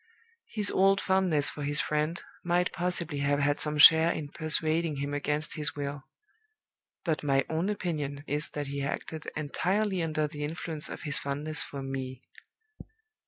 His old fondness for his friend might possibly have had some share in persuading him against his will; but my own opinion is that he acted entirely under the influence of his fondness for Me.